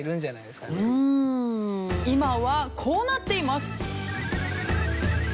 今はこうなっています。